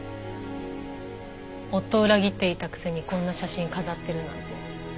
「夫を裏切っていたくせにこんな写真飾ってるなんて」。